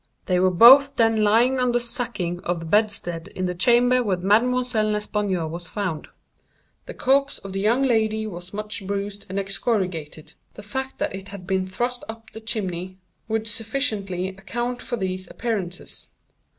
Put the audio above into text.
They were both then lying on the sacking of the bedstead in the chamber where Mademoiselle L. was found. The corpse of the young lady was much bruised and excoriated. The fact that it had been thrust up the chimney would sufficiently account for these appearances.